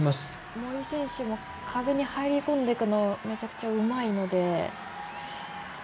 森選手も壁に入り込んでいくのめちゃくちゃうまいので。